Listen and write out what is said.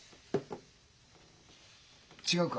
違うか？